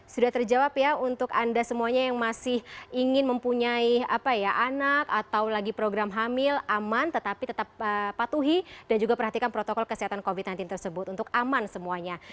sudah terjawab ya untuk anda semuanya yang masih ingin mempunyai anak atau lagi program hamil aman tetapi tetap patuhi dan juga perhatikan protokol kesehatan covid sembilan belas tersebut untuk aman semuanya